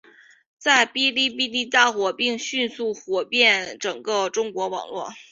在哔哩哔哩大火并迅速火遍整个中国网络。